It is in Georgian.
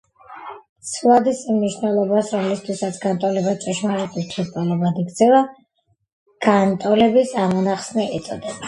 ცვლადის იმ მნიშვნელობას, რომლისთვისაც განტოლება ჭეშმარიტ რიცხვით ტოლობად იქცევა, განტოლების ამონახსენი ეწოდება.